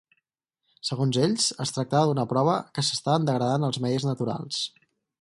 Segons ells, es tractava d'una prova que s'estaven degradant els medis naturals.